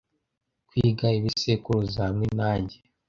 Kwiga ibisekuruza hamwe nanjye